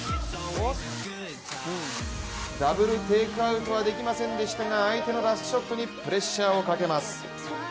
ダブルテイクアウトはできませんでしたが相手のラストショットにプレッシャーをかけます。